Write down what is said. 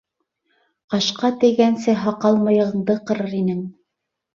Ҡашҡа тейгәнсе, һаҡал-мыйығыңды ҡырыр инең.